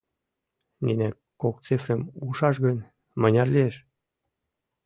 Нине кок цифрым ушаш гын, мыняр лиеш?